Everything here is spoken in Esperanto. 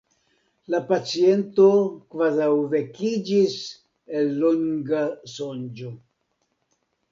La paciento kvazaŭ vekiĝis el longa sonĝo.